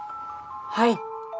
はい。